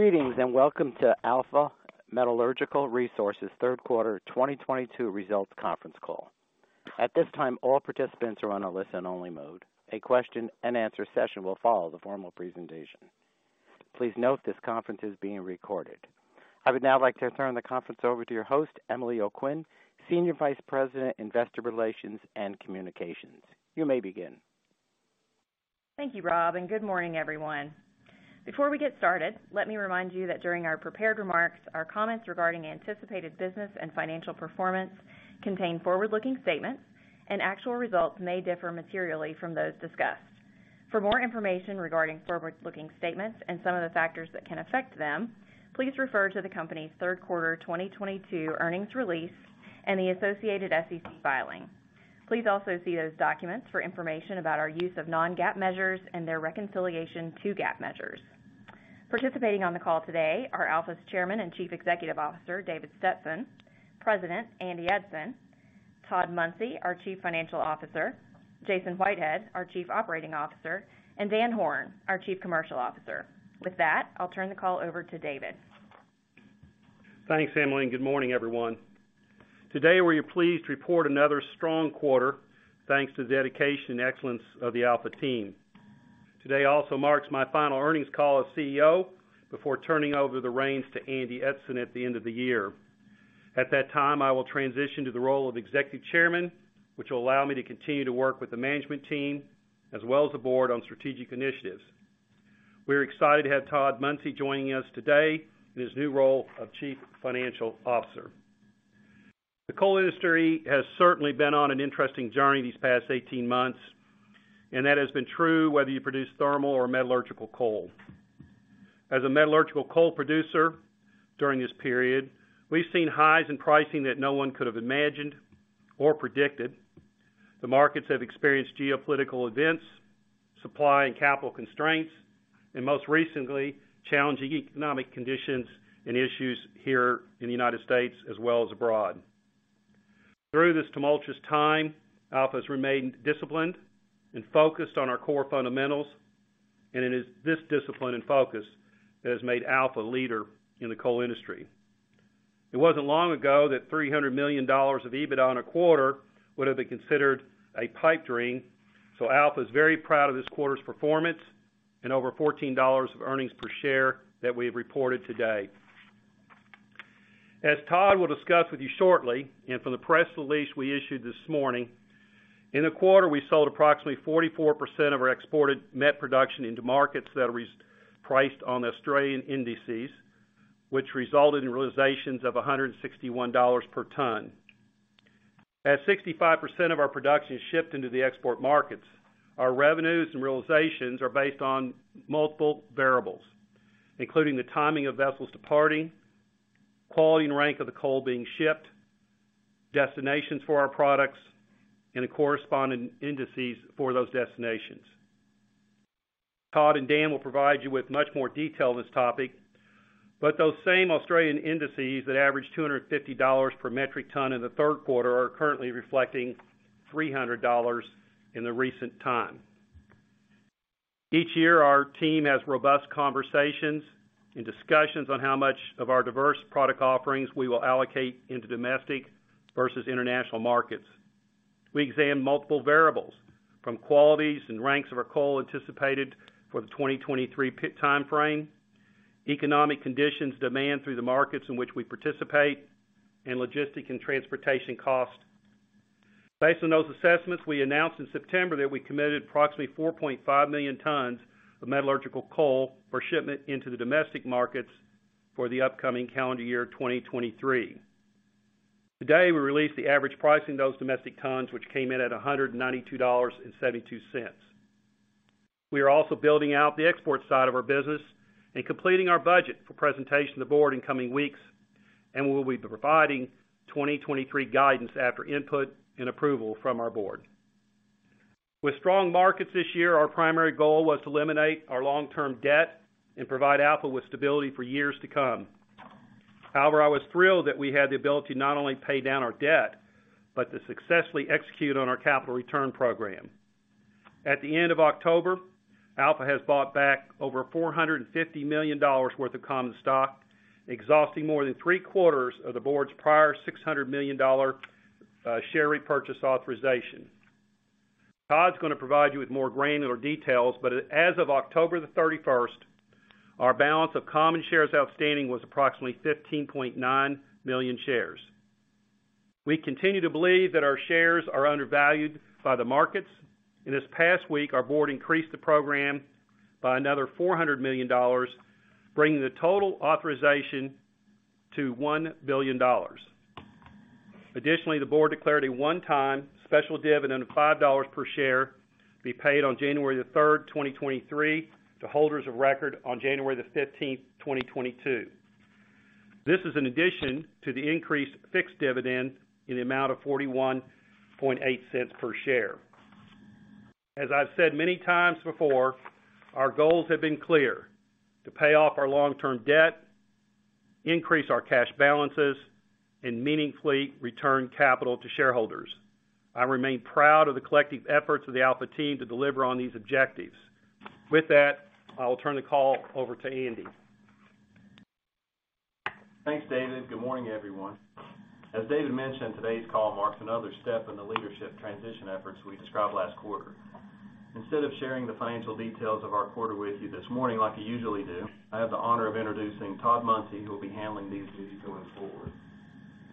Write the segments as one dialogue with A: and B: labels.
A: Greetings, and welcome to Alpha Metallurgical Resources' third quarter 2022 results conference call. At this time, all participants are on a listen only mode. A question-and-answer session will follow the formal presentation. Please note this conference is being recorded. I would now like to turn the conference over to your host, Emily O'Quinn, Senior Vice President, Investor Relations and Communications. You may begin.
B: Thank you, Rob, and good morning, everyone. Before we get started, let me remind you that during our prepared remarks, our comments regarding anticipated business and financial performance contain forward-looking statements, and actual results may differ materially from those discussed. For more information regarding forward-looking statements and some of the factors that can affect them, please refer to the company's third quarter 2022 earnings release and the associated SEC filing. Please also see those documents for information about our use of non-GAAP measures and their reconciliation to GAAP measures. Participating on the call today are Alpha's Chairman and Chief Executive Officer, David Stetson; President, Andy Eidson; Todd Munsey, our Chief Financial Officer; Jason Whitehead, our Chief Operating Officer; and Dan Horn, our Chief Commercial Officer. With that, I'll turn the call over to David.
C: Thanks, Emily, and good morning, everyone. Today, we are pleased to report another strong quarter, thanks to the dedication and excellence of the Alpha team. Today also marks my final earnings call as CEO before turning over the reins to Andy Eidson at the end of the year. At that time, I will transition to the role of Executive Chairman, which will allow me to continue to work with the management team as well as the board on strategic initiatives. We are excited to have Todd Munsey joining us today in his new role of Chief Financial Officer. The coal industry has certainly been on an interesting journey these past 18 months, and that has been true whether you produce thermal or metallurgical coal. As a metallurgical coal producer during this period, we've seen highs in pricing that no one could have imagined or predicted. The markets have experienced geopolitical events, supply and capital constraints, and most recently, challenging economic conditions and issues here in the United States as well as abroad. Through this tumultuous time, Alpha has remained disciplined and focused on our core fundamentals, and it is this discipline and focus that has made Alpha a leader in the coal industry. It wasn't long ago that $300 million of EBITDA in a quarter would have been considered a pipe dream, so Alpha is very proud of this quarter's performance and over $14 of earnings per share that we have reported today. As Todd will discuss with you shortly, and from the press release we issued this morning, in the quarter, we sold approximately 44% of our exported met production into markets that are reset-priced on Australian indices, which resulted in realizations of $161 per ton. As 65% of our production is shipped into the export markets, our revenues and realizations are based on multiple variables, including the timing of vessels departing, quality and rank of the coal being shipped, destinations for our products, and the corresponding indices for those destinations. Todd and Dan will provide you with much more detail on this topic, but those same Australian indices that average $250 per metric ton in the third quarter are currently reflecting $300 in the recent time. Each year, our team has robust conversations and discussions on how much of our diverse product offerings we will allocate into domestic versus international markets. We examine multiple variables from qualities and ranks of our coal anticipated for the 2023 pit timeframe, economic conditions, demand in the markets in which we participate, and logistic and transportation cost. Based on those assessments, we announced in September that we committed approximately 4.5 million tons of metallurgical coal for shipment into the domestic markets for the upcoming calendar year 2023. Today, we released the average price in those domestic tons, which came in at $192.72. We are also building out the export side of our business and completing our budget for presentation to the board in coming weeks, and we will be providing 2023 guidance after input and approval from our board. With strong markets this year, our primary goal was to eliminate our long-term debt and provide Alpha with stability for years to come. However, I was thrilled that we had the ability to not only pay down our debt, but to successfully execute on our capital return program. At the end of October, Alpha has bought back over $450 million worth of common stock, exhausting more than three-quarters of the board's prior $600 million share repurchase authorization. Todd's gonna provide you with more granular details, but as of October 31, our balance of common shares outstanding was approximately 15.9 million shares. We continue to believe that our shares are undervalued by the markets. In this past week, our board increased the program by another $400 million, bringing the total authorization to $1 billion. Additionally, the board declared a one-time special dividend of $5 per share be paid on January 3, 2023 to holders of record on January 15, 2022. This is an addition to the increased fixed dividend in the amount of $0.418 per share. As I've said many times before, our goals have been clear. To pay off our long-term debt. Increase our cash balances and meaningfully return capital to shareholders. I remain proud of the collective efforts of the Alpha team to deliver on these objectives. With that, I will turn the call over to Andy.
D: Thanks, David. Good morning, everyone. As David mentioned, today's call marks another step in the leadership transition efforts we described last quarter. Instead of sharing the financial details of our quarter with you this morning like we usually do, I have the honor of introducing Todd Munsey, who will be handling these duties going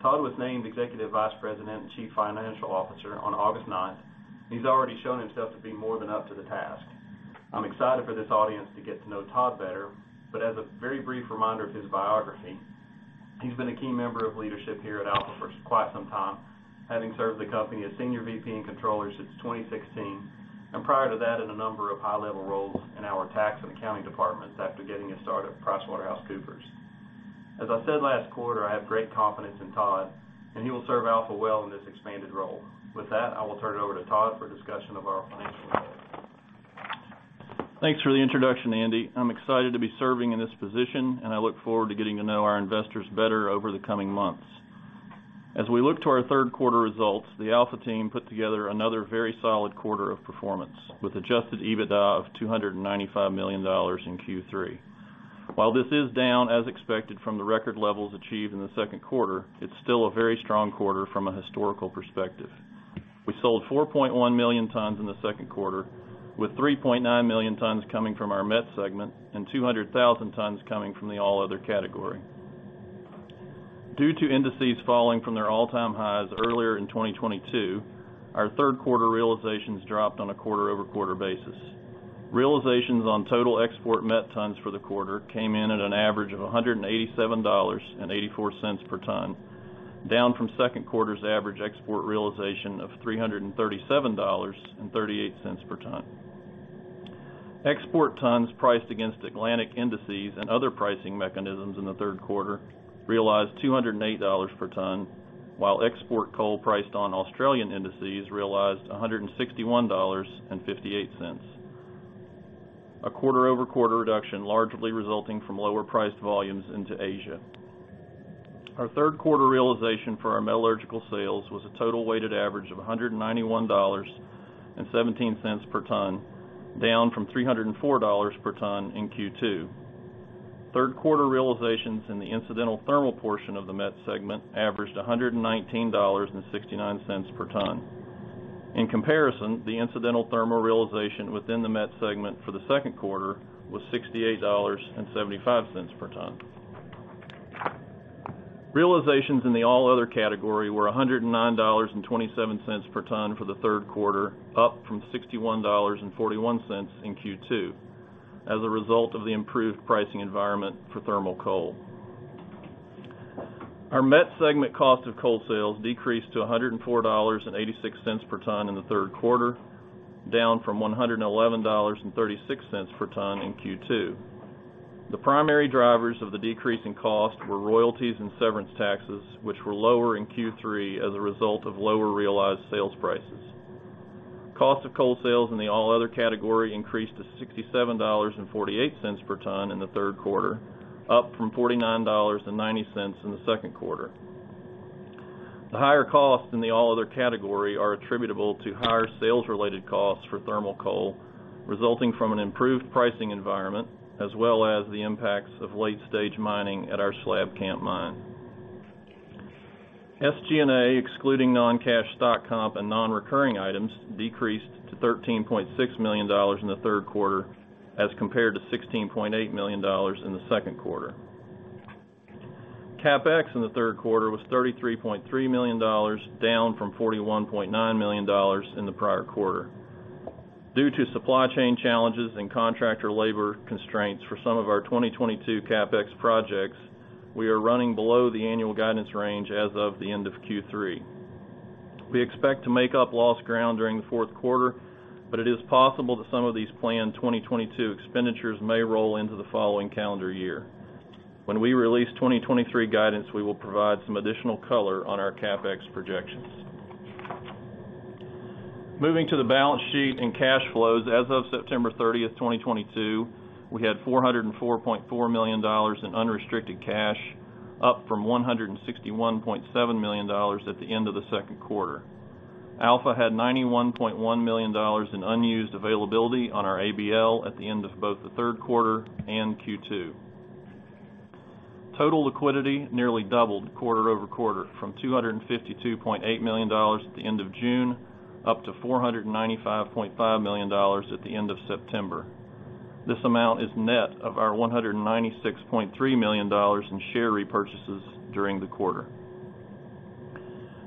D: forward. Todd was named Executive Vice President and Chief Financial Officer on August 9. He's already shown himself to be more than up to the task. I'm excited for this audience to get to know Todd better. As a very brief reminder of his biography, he's been a key member of leadership here at Alpha for quite some time, having served the company as Senior VP and Controller since 2016, and prior to that in a number of high-level roles in our tax and accounting departments after getting his start at PricewaterhouseCoopers. As I said last quarter, I have great confidence in Todd, and he will serve Alpha well in this expanded role. With that, I will turn it over to Todd for a discussion of our financial results.
E: Thanks for the introduction, Andy. I'm excited to be serving in this position, and I look forward to getting to know our investors better over the coming months. As we look to our third quarter results, the Alpha team put together another very solid quarter of performance, with adjusted EBITDA of $295 million in Q3. While this is down as expected from the record levels achieved in the second quarter, it's still a very strong quarter from a historical perspective. We sold 4.1 million tons in the second quarter, with 3.9 million tons coming from our Met segment and 200,000 tons coming from the All Other category. Due to indices falling from their all-time highs earlier in 2022, our third quarter realizations dropped on a quarter-over-quarter basis. Realizations on total export met tons for the quarter came in at an average of $187.84 per ton, down from second quarter's average export realization of $337.38 per ton. Export tons priced against Atlantic indices and other pricing mechanisms in the third quarter realized $208 per ton, while export coal priced on Australian indices realized $161.58. Quarter-over-quarter reduction largely resulting from lower priced volumes into Asia. Our third quarter realization for our metallurgical sales was a total weighted average of $191.17 per ton, down from $304 per ton in Q2. Third quarter realizations in the incidental thermal portion of the Met segment averaged $119.69 per ton. In comparison, the incidental thermal realization within the Met segment for the second quarter was $68.75 per ton. Realizations in the All Other category were $109.27 per ton for the third quarter, up from $61.41 in Q2 as a result of the improved pricing environment for thermal coal. Our Met segment cost of coal sales decreased to $104.86 per ton in the third quarter, down from $111.36 per ton in Q2. The primary drivers of the decrease in cost were royalties and severance taxes, which were lower in Q3 as a result of lower realized sales prices. Cost of coal sales in the All Other category increased to $67.48 per ton in the third quarter, up from $49.90 in the second quarter. The higher costs in the All Other category are attributable to higher sales-related costs for thermal coal, resulting from an improved pricing environment as well as the impacts of late-stage mining at our Slab Camp mine. SG&A, excluding non-cash stock comp and non-recurring items, decreased to $13.6 million in the third quarter as compared to $16.8 million in the second quarter. CapEx in the third quarter was $33.3 million, down from $41.9 million in the prior quarter. Due to supply chain challenges and contractor labor constraints for some of our 2022 CapEx projects, we are running below the annual guidance range as of the end of Q3. We expect to make up lost ground during the fourth quarter, but it is possible that some of these planned 2022 expenditures may roll into the following calendar year. When we release 2023 guidance, we will provide some additional color on our CapEx projections. Moving to the balance sheet and cash flows. As of September 30, 2022, we had $404.4 million in unrestricted cash, up from $161.7 million at the end of the second quarter. Alpha had $91.1 million in unused availability on our ABL at the end of both the third quarter and Q2. Total liquidity nearly doubled quarter-over-quarter from $252.8 million at the end of June, up to $495.5 million at the end of September. This amount is net of our $196.3 million in share repurchases during the quarter.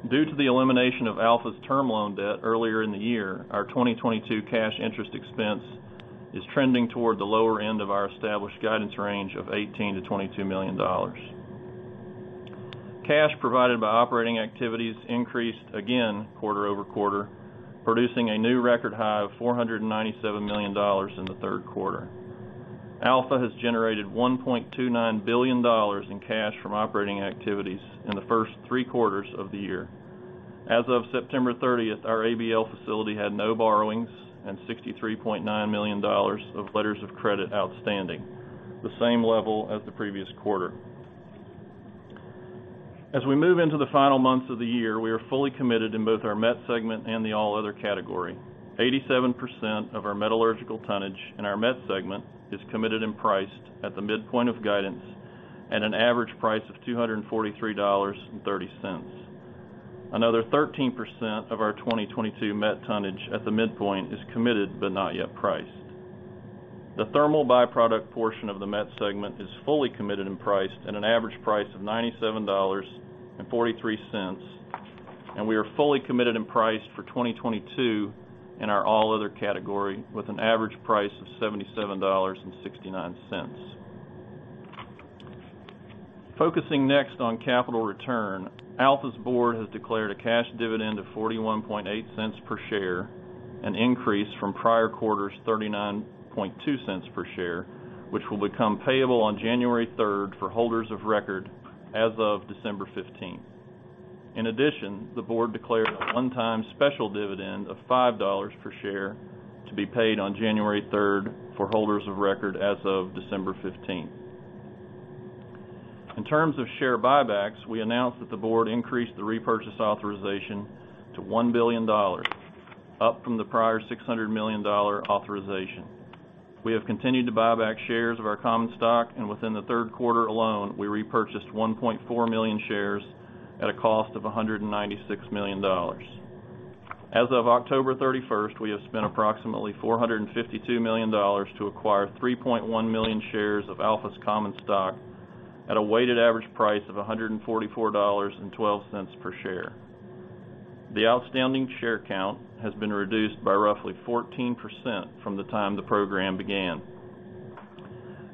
E: Due to the elimination of Alpha's term loan debt earlier in the year, our 2022 cash interest expense is trending toward the lower end of our established guidance range of $18-$22 million. Cash provided by operating activities increased again quarter-over-quarter, producing a new record high of $497 million in the third quarter. Alpha has generated $1.29 billion in cash from operating activities in the first three quarters of the year. As of September 30th, our ABL facility had no borrowings and $63.9 million of letters of credit outstanding, the same level as the previous quarter. As we move into the final months of the year, we are fully committed in both our Met segment and the All Other category. 87% of our metallurgical tonnage in our Met segment is committed and priced at the midpoint of guidance at an average price of $243.30. Another 13% of our 2022 Met tonnage at the midpoint is committed, but not yet priced. The thermal byproduct portion of the Met segment is fully committed and priced at an average price of $97.43, and we are fully committed and priced for 2022 in our All Other category with an average price of $77.69. Focusing next on capital return. Alpha's board has declared a cash dividend of $0.418 per share, an increase from prior quarter's $0.392 per share, which will become payable on January 3rd for holders of record as of December 15th. In addition, the board declared a one-time special dividend of $5 per share to be paid on January 3rd for holders of record as of December 15th. In terms of share buybacks, we announced that the board increased the repurchase authorization to $1 billion, up from the prior $600 million authorization. We have continued to buy back shares of our common stock, and within the third quarter alone, we repurchased 1.4 million shares at a cost of $196 million. As of October 31, we have spent approximately $452 million to acquire 3.1 million shares of Alpha's common stock at a weighted average price of $144.12 per share. The outstanding share count has been reduced by roughly 14% from the time the program began.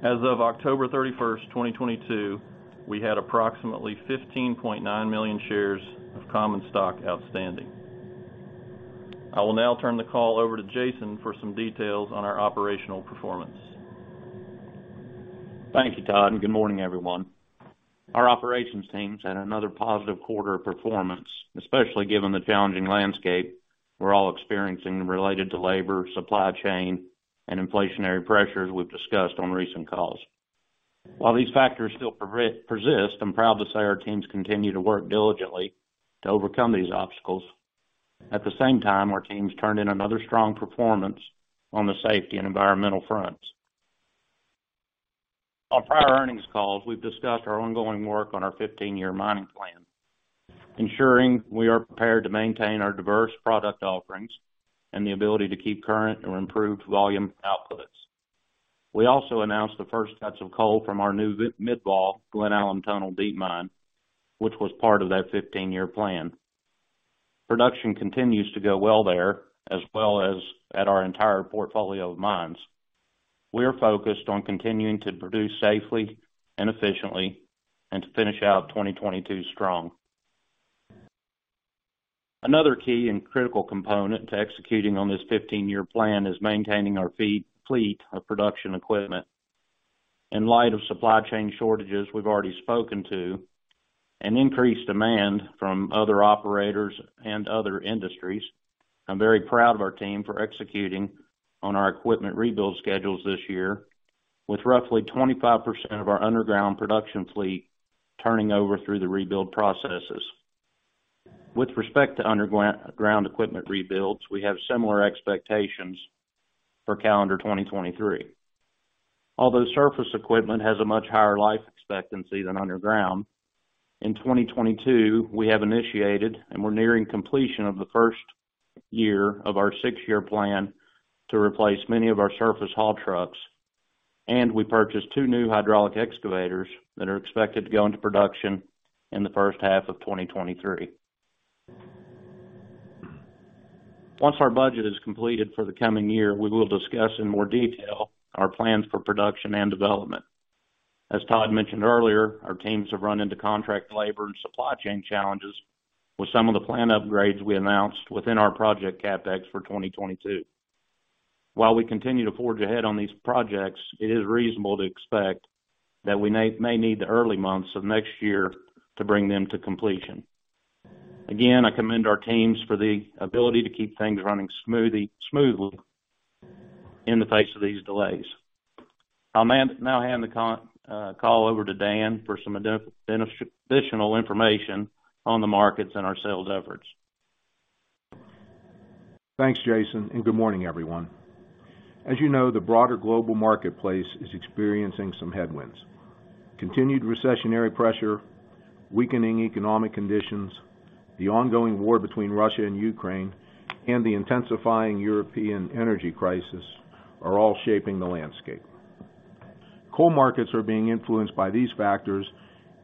E: As of October 31, 2022, we had approximately 15.9 million shares of common stock outstanding. I will now turn the call over to Jason for some details on our operational performance.
F: Thank you, Todd, and good morning, everyone. Our operations team has had another positive quarter of performance, especially given the challenging landscape we're all experiencing related to labor, supply chain, and inflationary pressures we've discussed on recent calls. While these factors still persist, I'm proud to say our teams continue to work diligently to overcome these obstacles. At the same time, our teams turned in another strong performance on the safety and environmental fronts. On prior earnings calls, we've discussed our ongoing work on our 15-year mining plan, ensuring we are prepared to maintain our diverse product offerings and the ability to keep current or improved volume outputs. We also announced the first cuts of coal from our new Glen Alum Tunnel deep mine, which was part of that 15-year plan. Production continues to go well there, as well as at our entire portfolio of mines. We are focused on continuing to produce safely and efficiently and to finish out 2022 strong. Another key and critical component to executing on this 15-year plan is maintaining our fleet of production equipment. In light of supply chain shortages we've already spoken to and increased demand from other operators and other industries, I'm very proud of our team for executing on our equipment rebuild schedules this year with roughly 25% of our underground production fleet turning over through the rebuild processes. With respect to underground equipment rebuilds, we have similar expectations for calendar 2023. Although surface equipment has a much higher life expectancy than underground, in 2022, we have initiated and we're nearing completion of the first year of our six-year plan to replace many of our surface haul trucks, and we purchased two new hydraulic excavators that are expected to go into production in the first half of 2023. Once our budget is completed for the coming year, we will discuss in more detail our plans for production and development. As Todd mentioned earlier, our teams have run into contract labor and supply chain challenges with some of the plan upgrades we announced within our project CapEx for 2022. While we continue to forge ahead on these projects, it is reasonable to expect that we may need the early months of next year to bring them to completion. Again, I commend our teams for the ability to keep things running smoothly in the face of these delays. I'll now hand the call over to Dan for some additional information on the markets and our sales efforts.
G: Thanks, Jason, and good morning, everyone. As you know, the broader global marketplace is experiencing some headwinds. Continued recessionary pressure, weakening economic conditions, the ongoing war between Russia and Ukraine, and the intensifying European energy crisis are all shaping the landscape. Coal markets are being influenced by these factors,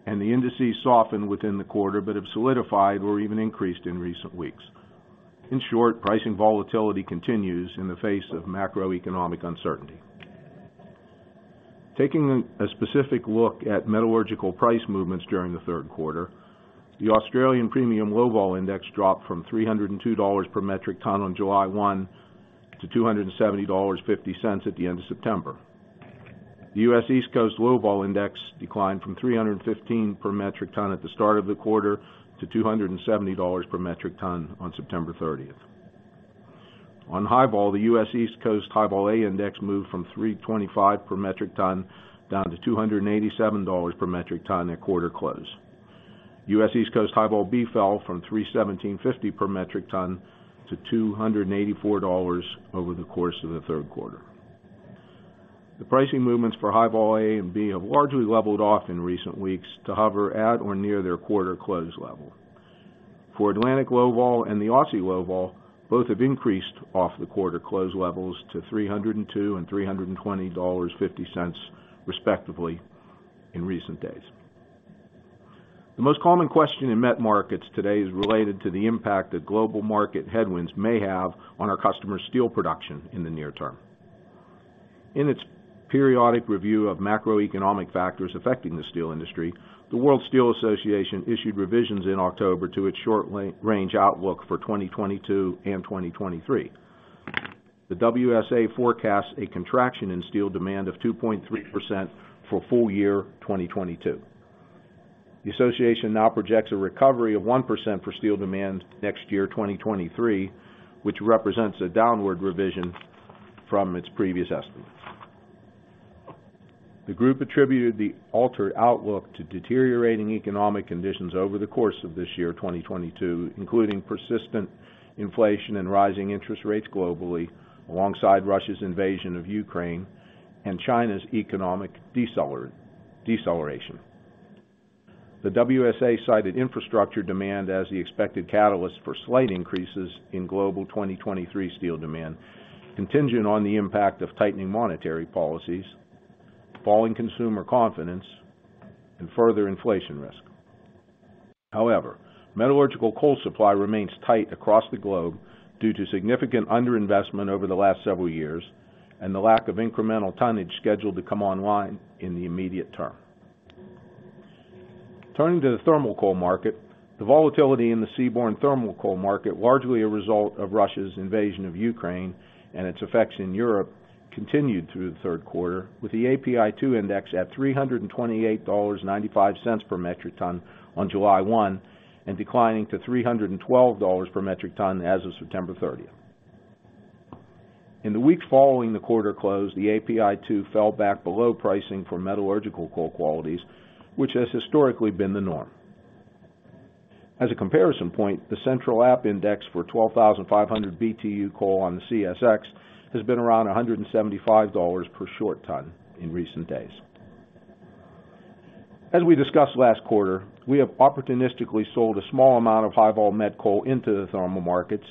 G: and the indices softened within the quarter but have solidified or even increased in recent weeks. In short, pricing volatility continues in the face of macroeconomic uncertainty. Taking a specific look at metallurgical price movements during the third quarter, the Australian premium low vol index dropped from $302 per metric ton on July 1 to $270.50 at the end of September. The U.S. East Coast low vol index declined from $315 per metric ton at the start of the quarter to $270 per metric ton on September 30. On high vol, the U.S. East Coast high vol A index moved from $325 per metric ton down to $287 per metric ton at quarter close. U.S. East Coast high vol B fell from $317.50 per metric ton to $284 over the course of the third quarter. The pricing movements for High-Vol A and High-Vol B have largely leveled off in recent weeks to hover at or near their quarter close level. For Atlantic low vol and the Aussie low vol, both have increased off the quarter close levels to $302.50 and $320.50 respectively in recent days. The most common question in met markets today is related to the impact that global market headwinds may have on our customers' steel production in the near term. In its periodic review of macroeconomic factors affecting the steel industry, the World Steel Association issued revisions in October to its short- to long-range outlook for 2022 and 2023. The WSA forecasts a contraction in steel demand of 2.3% for full-year 2022. The association now projects a recovery of 1% for steel demand next year, 2023, which represents a downward revision from its previous estimate. The group attributed the altered outlook to deteriorating economic conditions over the course of this year, 2022, including persistent inflation and rising interest rates globally, alongside Russia's invasion of Ukraine and China's economic deceleration. The WSA cited infrastructure demand as the expected catalyst for slight increases in global 2023 steel demand, contingent on the impact of tightening monetary policies, falling consumer confidence, and further inflation risk. However, metallurgical coal supply remains tight across the globe due to significant under-investment over the last several years and the lack of incremental tonnage scheduled to come online in the immediate term. Turning to the thermal coal market, the volatility in the seaborne thermal coal market, largely a result of Russia's invasion of Ukraine and its effects in Europe, continued through the third quarter with the API2 index at $328.95 per metric ton on July 1, and declining to $312 per metric ton as of September 30. In the weeks following the quarter close, the API2 fell back below pricing for metallurgical coal qualities, which has historically been the norm. As a comparison point, the Central Appalachian index for 12,500 BTU coal on the CSX has been around $175 per short ton in recent days. As we discussed last quarter, we have opportunistically sold a small amount of high vol met coal into the thermal markets,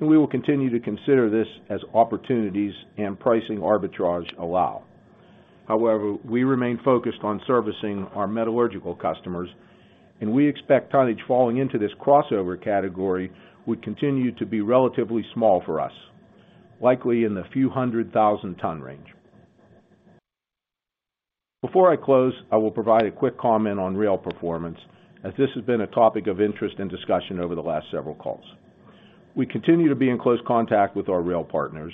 G: and we will continue to consider this as opportunities and pricing arbitrage allow. However, we remain focused on servicing our metallurgical customers, and we expect tonnage falling into this crossover category would continue to be relatively small for us, likely in the few hundred thousand-ton range. Before I close, I will provide a quick comment on rail performance as this has been a topic of interest and discussion over the last several calls. We continue to be in close contact with our rail partners,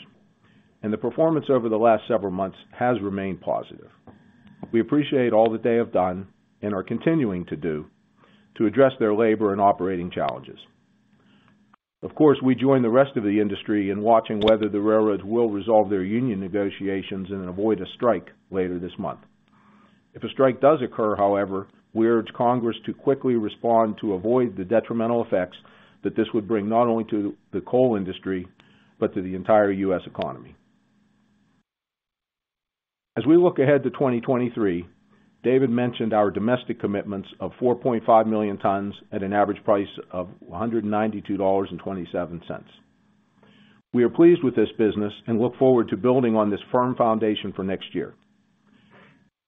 G: and the performance over the last several months has remained positive. We appreciate all that they have done and are continuing to do to address their labor and operating challenges. Of course, we join the rest of the industry in watching whether the railroads will resolve their union negotiations and avoid a strike later this month. If a strike does occur, however, we urge Congress to quickly respond to avoid the detrimental effects that this would bring not only to the coal industry, but to the entire U.S. economy. As we look ahead to 2023, David mentioned our domestic commitments of 4.5 million tons at an average price of $192.27. We are pleased with this business and look forward to building on this firm foundation for next year.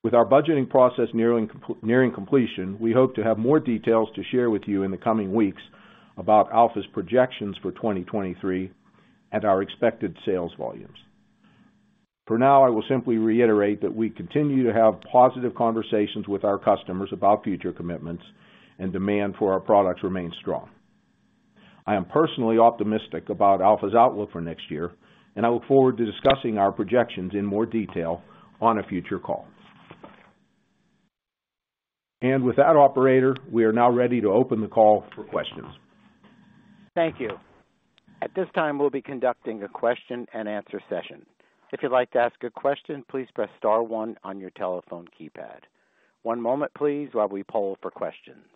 G: With our budgeting process nearing completion, we hope to have more details to share with you in the coming weeks about Alpha's projections for 2023 and our expected sales volumes. For now, I will simply reiterate that we continue to have positive conversations with our customers about future commitments and demand for our products remain strong. I am personally optimistic about Alpha's outlook for next year, and I look forward to discussing our projections in more detail on a future call. With that operator, we are now ready to open the call for questions.
A: Thank you. At this time, we'll be conducting a question-and-answer session. If you'd like to ask a question, please press star one on your telephone keypad. One moment, please, while we poll for questions.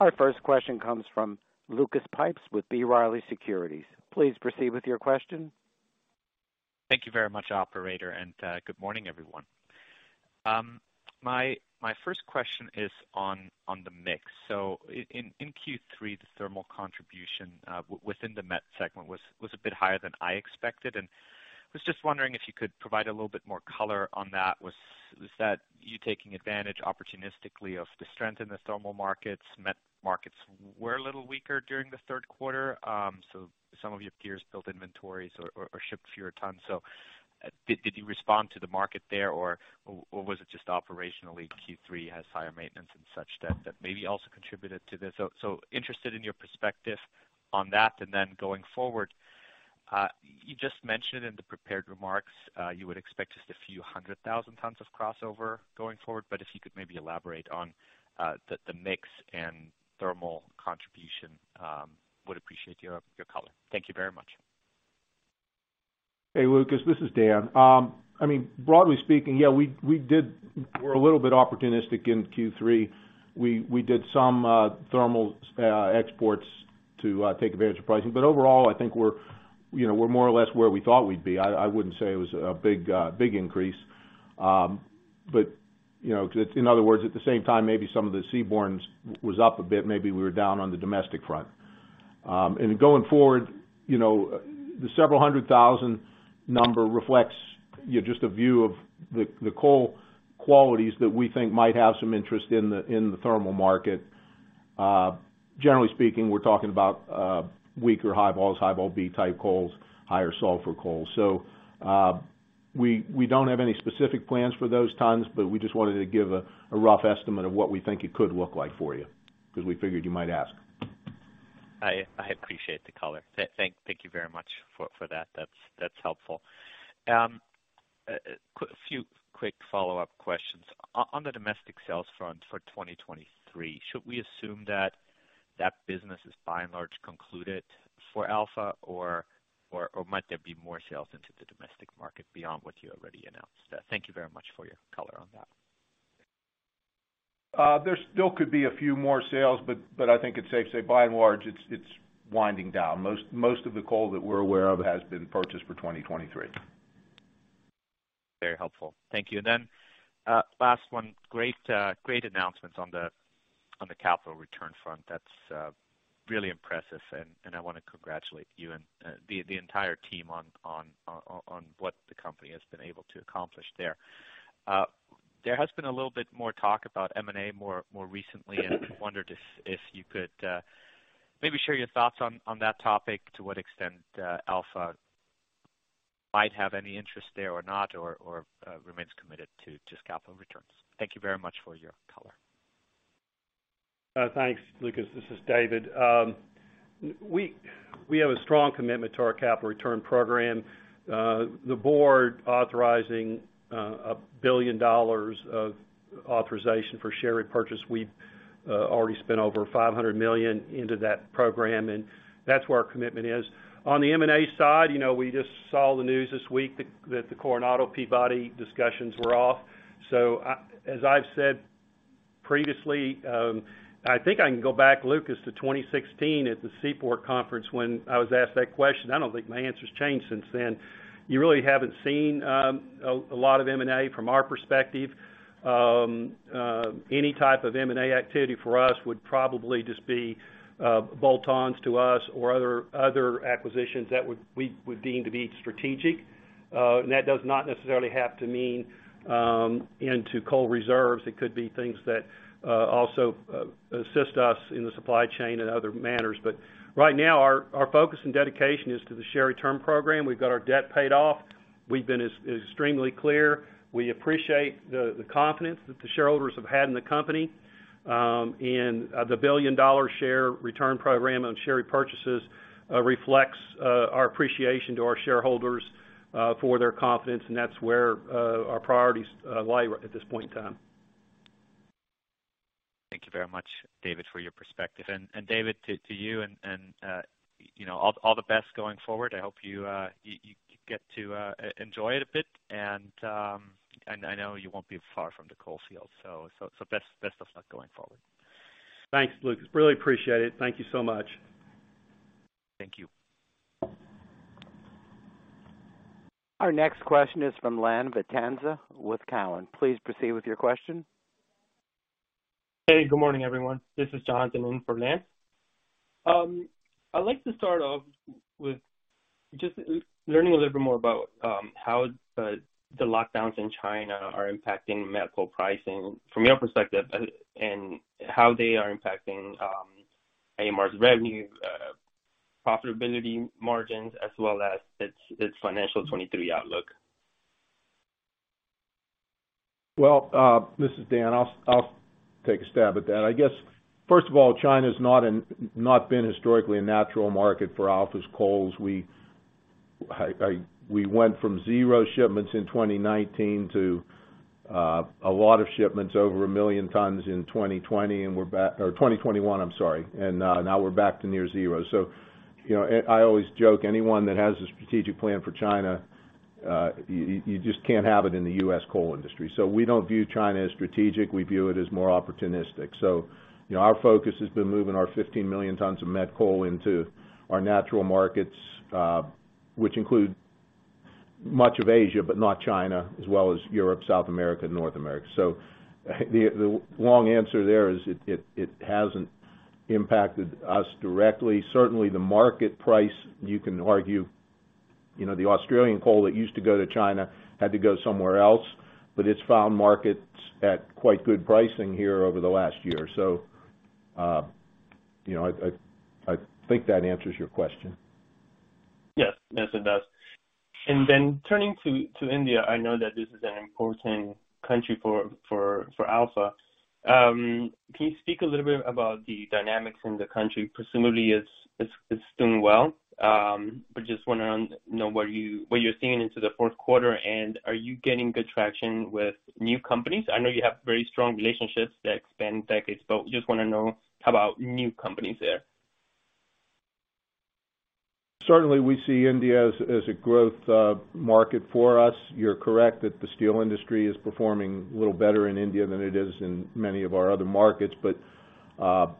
A: Our first question comes from Lucas Pipes with B. Riley Securities. Please proceed with your question.
H: Thank you very much, operator, and good morning, everyone. My first question is on the mix. In Q3, the thermal contribution within the Met segment was a bit higher than I expected. I was just wondering if you could provide a little bit more color on that. Was that you taking advantage opportunistically of the strength in the thermal markets? Met markets were a little weaker during the third quarter, so some of your piers built inventories or shipped fewer tons. Did you respond to the market there, or was it just operationally Q3 has higher maintenance and such that maybe also contributed to this? I am interested in your perspective on that. Going forward, you just mentioned in the prepared remarks, you would expect just a few hundred thousand tons of crossover going forward, but if you could maybe elaborate on the mix and thermal contribution, would appreciate your color. Thank you very much.
G: Hey, Lucas, this is Dan. I mean, broadly speaking, yeah, we did. We're a little bit opportunistic in Q3. We did some thermal exports to take advantage of pricing. Overall, I think we're, you know, more or less where we thought we'd be. I wouldn't say it was a big increase. You know, 'cause, in other words, at the same time, maybe some of the seaborne was up a bit, maybe we were down on the domestic front. Going forward, you know, the several hundred thousand number reflects, you know, just a view of the coal qualities that we think might have some interest in the thermal market. Generally speaking, we're talking about weaker high vols, high-vol B type coals, higher sulfur coal. We don't have any specific plans for those tons, but we just wanted to give a rough estimate of what we think it could look like for you because we figured you might ask.
H: I appreciate the color. Thank you very much for that. That's helpful. A few quick follow-up questions. On the domestic sales front for 2023, should we assume that business is by and large concluded for Alpha or might there be more sales into the domestic market beyond what you already announced? Thank you very much for your color on that.
G: There still could be a few more sales, but I think it's safe to say by and large it's winding down. Most of the coal that we're aware of has been purchased for 2023.
H: Very helpful. Thank you. Last one. Great announcements on the capital return front. That's really impressive and I wanna congratulate you and the entire team on what the company has been able to accomplish there. There has been a little bit more talk about M&A more recently. I wondered if you could maybe share your thoughts on that topic to what extent Alpha might have any interest there or not, or remains committed to capital returns. Thank you very much for your color.
C: Thanks, Lucas. This is David. We have a strong commitment to our capital return program. The board authorizing $1 billion of authorization for share repurchase. We've already spent over $500 million into that program, and that's where our commitment is. On the M&A side, you know, we just saw the news this week that the Coronado Peabody discussions were off. As I've said previously, I think I can go back, Lucas, to 2016 at the Seaport Conference when I was asked that question. I don't think my answer's changed since then. You really haven't seen a lot of M&A from our perspective. Any type of M&A activity for us would probably just be bolt-ons to us or other acquisitions that we would deem to be strategic. That does not necessarily have to mean into coal reserves. It could be things that also assist us in the supply chain in other manners. Right now, our focus and dedication is to the share return program. We've got our debt paid off. We've been extremely clear. We appreciate the confidence that the shareholders have had in the company. The billion-dollar share return program on share repurchases reflects our appreciation to our shareholders for their confidence, and that's where our priorities lie at this point in time.
H: Thank you very much, David, for your perspective. David, to you and you know, all the best going forward. I hope you get to enjoy it a bit. I know you won't be far from the coal field, so best of luck going forward.
C: Thanks, Lucas. Really appreciate it. Thank you so much.
H: Thank you.
A: Our next question is from Lance Vitanza with Cowen. Please proceed with your question.
I: Hey, good morning, everyone. This is Jonathan in for Lance Vitanza. I'd like to start off with just learning a little bit more about how the lockdowns in China are impacting met coal pricing from your perspective and how they are impacting AMR's revenue, profitability margins, as well as its financial 2023 outlook.
G: Well, this is Dan. I'll take a stab at that. I guess, first of all, China's not been historically a natural market for Alpha's coals. We went from zero shipments in 2019 to a lot of shipments over 1 million tons in 2020, or 2021, I'm sorry. Now we're back to near zero. You know, I always joke anyone that has a strategic plan for China, you just can't have it in the U.S. coal industry. We don't view China as strategic. We view it as more opportunistic. You know, our focus has been moving our 15 million tons of met coal into our natural markets, which include much of Asia, but not China, as well as Europe, South America, North America. The long answer there is it hasn't impacted us directly. Certainly the market price, you can argue. You know, the Australian coal that used to go to China had to go somewhere else, but it's found markets at quite good pricing here over the last year or so. You know, I think that answers your question.
I: Yes. Yes, it does. Then turning to India, I know that this is an important country for Alpha. Can you speak a little bit about the dynamics in the country? Presumably it's doing well, but just wanna know what you're seeing into the fourth quarter. Are you getting good traction with new companies? I know you have very strong relationships that span decades, but just wanna know about new companies there.
G: Certainly, we see India as a growth market for us. You're correct that the steel industry is performing a little better in India than it is in many of our other markets. You know,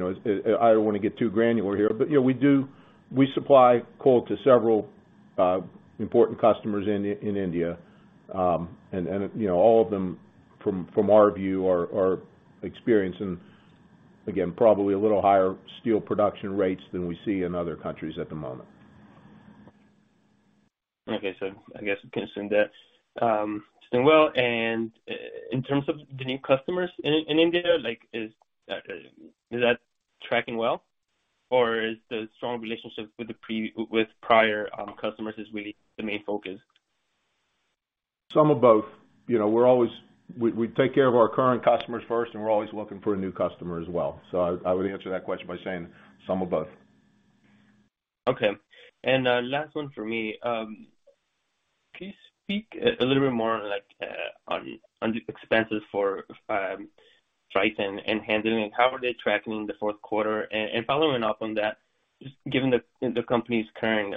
G: I don't wanna get too granular here, but you know, we supply coal to several important customers in India. And you know, all of them from our view are experiencing, again, probably a little higher steel production rates than we see in other countries at the moment.
I: Okay. I guess concerned there. Well, in terms of the new customers in India, like, is that tracking well? Or is the strong relationship with prior customers really the main focus?
G: Some of both. You know, we're always, we take care of our current customers first, and we're always looking for a new customer as well. I would answer that question by saying some of both.
I: Okay. Last one for me. Can you speak a little bit more like on the expenses for freight and handling? How are they tracking in the fourth quarter? Following up on that, just given the company's current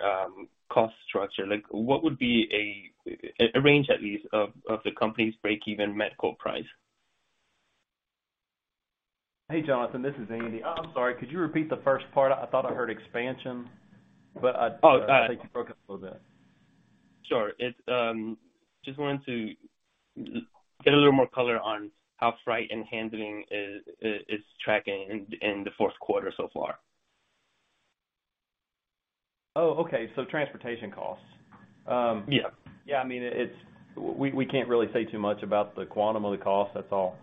I: cost structure, like what would be a range at least of the company's breakeven met coal price?
D: Hey, Jonathan, this is Andy. I'm sorry, could you repeat the first part? I thought I heard expansion, but I think you broke up a little bit.
I: Sure. I just wanted to get a little more color on how freight and handling is tracking in the fourth quarter so far?
D: Oh, okay. Transportation costs.
I: Yeah.
D: Yeah. I mean, we can't really say too much about the quantum of the cost. That's all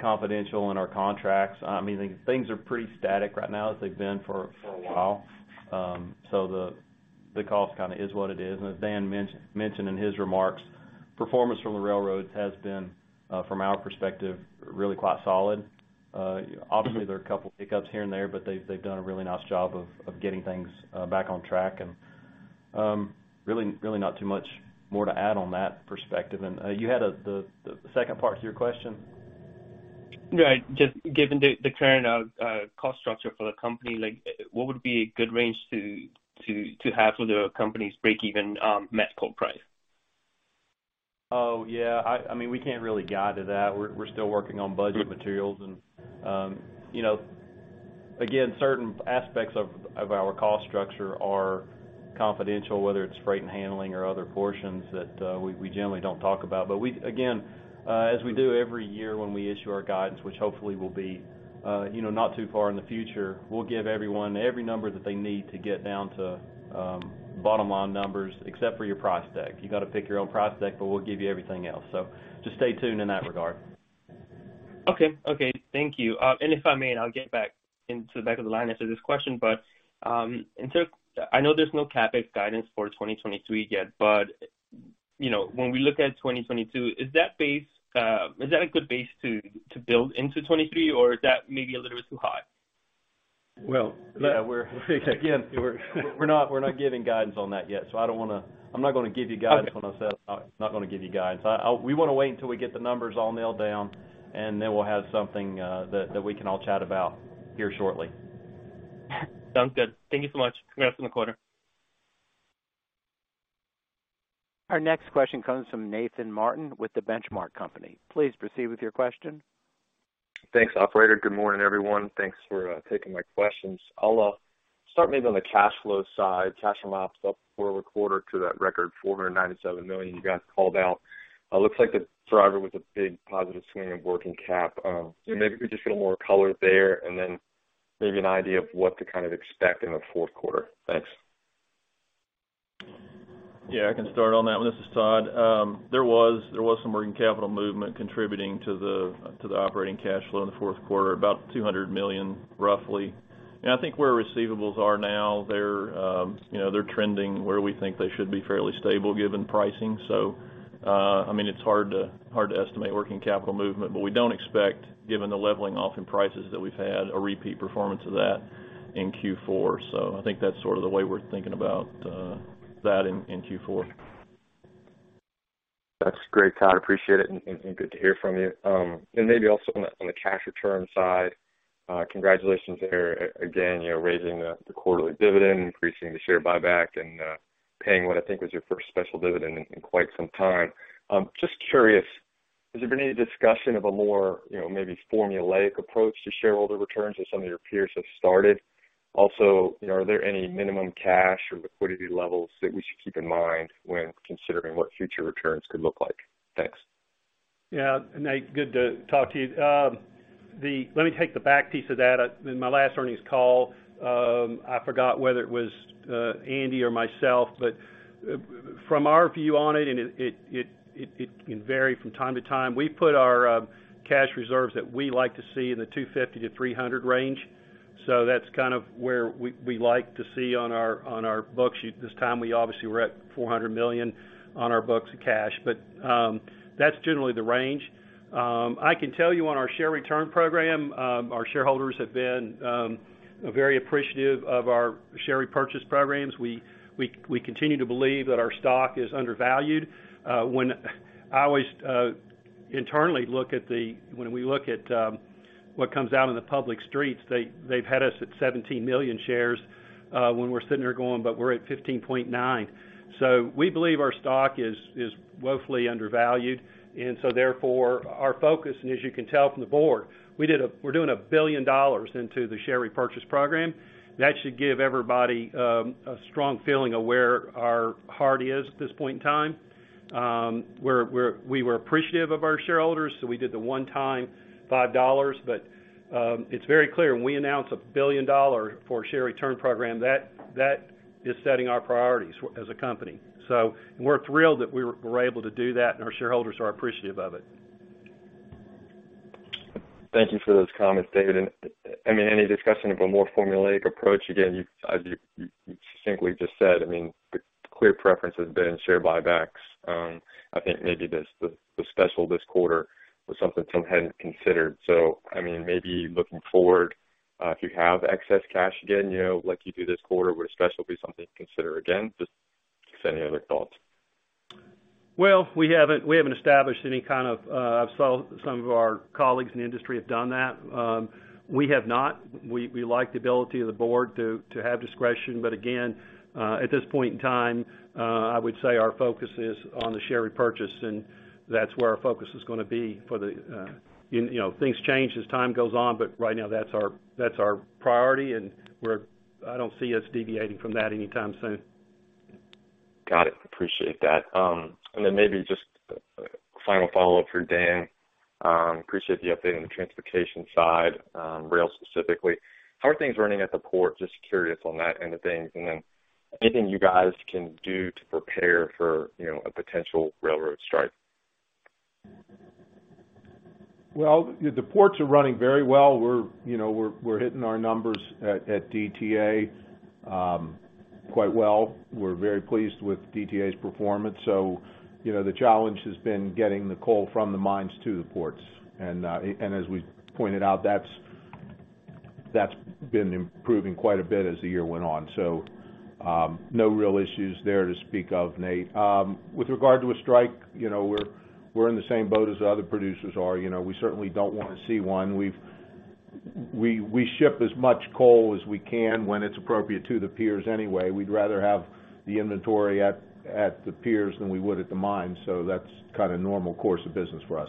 D: confidential in our contracts. I mean, things are pretty static right now as they've been for a while. So the cost kinda is what it is. As Dan mentioned in his remarks, performance from the railroads has been from our perspective really quite solid. Obviously, there are a couple hiccups here and there, but they've done a really nice job of getting things back on track. Really not too much more to add on that perspective. You had the second part to your question?
I: Right. Just given the current cost structure for the company, like what would be a good range to have for the company's breakeven met coal price?
D: Oh, yeah. I mean, we can't really guide to that. We're still working on budget materials and, you know. Again, certain aspects of our cost structure are confidential, whether it's freight and handling or other portions that we generally don't talk about. We again, as we do every year when we issue our guidance, which hopefully will be, you know, not too far in the future, we'll give everyone every number that they need to get down to bottom line numbers, except for your price tag. You gotta pick your own price tag, but we'll give you everything else. Just stay tuned in that regard.
I: Okay. Okay, thank you. If I may, I'll get back into the back of the line after this question. I know there's no CapEx guidance for 2023 yet, but you know, when we look at 2022, is that a good base to build into 2023 or is that maybe a little bit too high?
G: Well-
D: Yeah, we're not giving guidance on that yet, so I'm not gonna give you guidance when I said I'm not gonna give you guidance. We wanna wait until we get the numbers all nailed down, and then we'll have something that we can all chat about here shortly.
I: Sounds good. Thank you so much. Congrats on the quarter.
A: Our next question comes from Nathan Martin with The Benchmark Company. Please proceed with your question.
J: Thanks, operator. Good morning, everyone. Thanks for taking my questions. I'll start maybe on the cash flow side. Cash from ops up quarter-over-quarter to that record $497 million you guys called out. It looks like the driver was a big positive swing of working capital. Maybe if we just get more color there and then maybe an idea of what to kind of expect in the fourth quarter. Thanks.
E: Yeah, I can start on that one. This is Todd. There was some working capital movement contributing to the operating cash flow in the fourth quarter, about $200 million, roughly. I think where receivables are now, they're, you know, they're trending where we think they should be fairly stable given pricing. I mean, it's hard to estimate working capital movement, but we don't expect, given the leveling off in prices that we've had, a repeat performance of that in Q4. I think that's sort of the way we're thinking about that in Q4.
J: That's great, Todd. Appreciate it, and good to hear from you. Maybe also on the cash return side, congratulations there again, you're raising the quarterly dividend, increasing the share buyback, and paying what I think was your first special dividend in quite some time. Just curious, has there been any discussion of a more, you know, maybe formulaic approach to shareholder returns as some of your peers have started? Also, you know, are there any minimum cash or liquidity levels that we should keep in mind when considering what future returns could look like? Thanks.
C: Yeah. Nate, good to talk to you. Let me take the back piece of that. In my last earnings call, I forgot whether it was Andy or myself, but from our view on it can vary from time to time, we put our cash reserves that we like to see in the $250 million-$300 million range. That's kind of where we like to see on our books. This time we obviously were at $400 million on our books in cash. That's generally the range. I can tell you on our shareholder return program, our shareholders have been very appreciative of our share repurchase programs. We continue to believe that our stock is undervalued. I always internally look at when we look at what comes out in the public streets. They've had us at 17 million shares, when we're sitting there going, "But we're at 15.9." We believe our stock is woefully undervalued. Our focus, and as you can tell from the board, we're doing a $1 billion into the share repurchase program. That should give everybody a strong feeling of where our heart is at this point in time. We were appreciative of our shareholders, so we did the one-time $5. It's very clear when we announce a $1 billion share return program, that is setting our priorities as a company. We're thrilled that we were able to do that, and our shareholders are appreciative of it.
J: Thank you for those comments, David. I mean, any discussion of a more formulaic approach, again, as you succinctly just said, I mean, the clear preference has been share buybacks. I think maybe this, the special this quarter was something some hadn't considered. I mean, maybe looking forward, if you have excess cash again, you know, like you do this quarter, would a special be something to consider again? Just any other thoughts.
C: Well, we haven't established any kind of. I saw some of our colleagues in the industry have done that. We have not. We like the ability of the board to have discretion. Again, at this point in time, I would say our focus is on the share repurchase, and that's where our focus is gonna be for the, you know, things change as time goes on, but right now that's our priority, and I don't see us deviating from that anytime soon.
J: Got it. Appreciate that. Maybe just a final follow-up for Dan. Appreciate the update on the transportation side, rail specifically. How are things running at the port? Just curious on that end of things. Anything you guys can do to prepare for, you know, a potential railroad strike?
G: Well, the ports are running very well. We're, you know, hitting our numbers at DTA quite well. We're very pleased with DTA's performance. You know, the challenge has been getting the coal from the mines to the ports. As we pointed out, that's been improving quite a bit as the year went on. No real issues there to speak of, Nate. With regard to a strike, you know, we're in the same boat as the other producers are. You know, we certainly don't want to see one. We ship as much coal as we can when it's appropriate to the piers anyway. We'd rather have the inventory at the piers than we would at the mine. That's kind of normal course of business for us.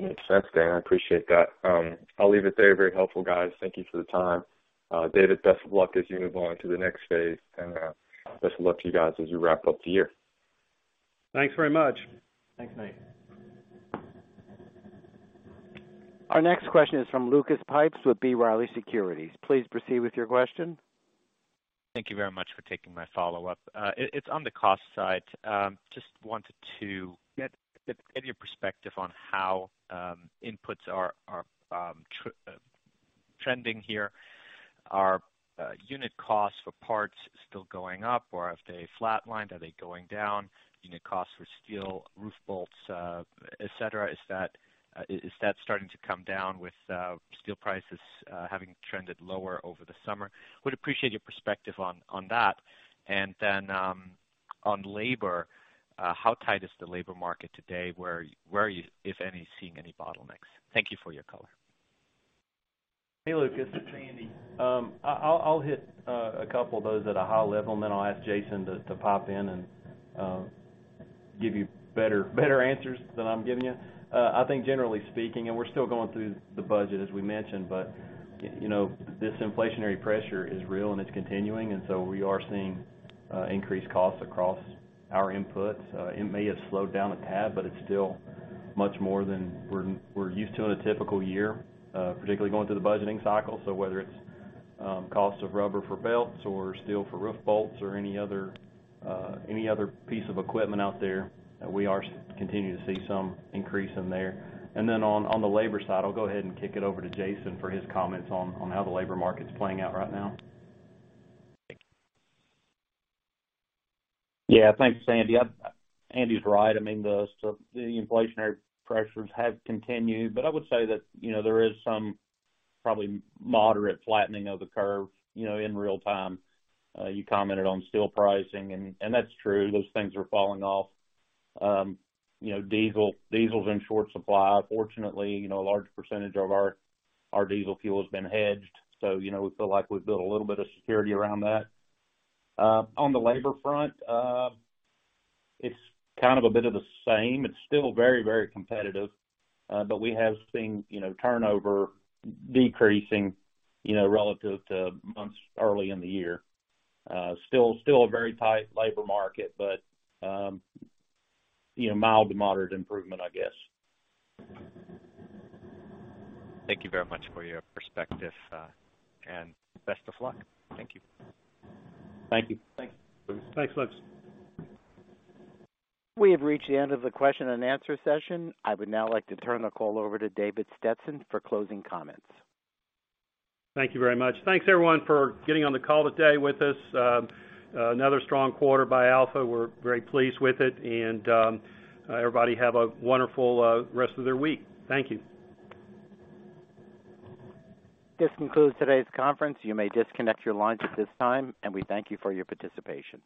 J: Makes sense, Dan. I appreciate that. I'll leave it there. Very helpful, guys. Thank you for the time. David, best of luck as you move on to the next phase, and best of luck to you guys as you wrap up the year.
C: Thanks very much.
G: Thanks, Nate.
A: Our next question is from Lucas Pipes with B. Riley Securities. Please proceed with your question.
H: Thank you very much for taking my follow-up. It's on the cost side. Just wanted to get your perspective on how inputs are trending here. Are unit costs for parts still going up, or have they flatlined? Are they going down? Unit costs for steel, roof bolts, et cetera, is that starting to come down with steel prices having trended lower over the summer? Would appreciate your perspective on that. On labor, how tight is the labor market today? Where, if any, are you seeing any bottlenecks? Thank you for your color.
D: Hey, Lucas. It's Andy. I'll hit a couple of those at a high level, and then I'll ask Jason to pop in and give you better answers than I'm giving you. I think generally speaking, and we're still going through the budget, as we mentioned, but you know, this inflationary pressure is real, and it's continuing. We are seeing increased costs across our inputs. It may have slowed down a tad, but it's still much more than we're used to in a typical year, particularly going through the budgeting cycle. Whether it's cost of rubber for belts or steel for roof bolts or any other piece of equipment out there, we are continuing to see some increase in there. On the labor side, I'll go ahead and kick it over to Jason for his comments on how the labor market's playing out right now.
H: Thank you.
F: Yeah. Thanks, Andy. Andy's right. I mean, the inflationary pressures have continued. I would say that, you know, there is some probably moderate flattening of the curve, you know, in real time. You commented on steel pricing and that's true. Those things are falling off. You know, diesel's in short supply. Fortunately, you know, a large percentage of our diesel fuel has been hedged, so, you know, we feel like we've built a little bit of security around that. On the labor front, it's kind of a bit of the same. It's still very competitive, but we have seen, you know, turnover decreasing, you know, relative to months early in the year. Still a very tight labor market, but, you know, mild to moderate improvement, I guess.
H: Thank you very much for your perspective, and best of luck. Thank you.
G: Thank you.
C: Thanks.
G: Thanks, Lucas.
A: We have reached the end of the question-and-answer session. I would now like to turn the call over to David Stetson for closing comments.
C: Thank you very much. Thanks everyone for getting on the call today with us. Another strong quarter by Alpha. We're very pleased with it. Everybody have a wonderful rest of their week. Thank you.
A: This concludes today's conference. You may disconnect your lines at this time, and we thank you for your participation.